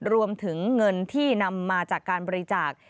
รวมถึงเงินที่นำมาจากการบริจาค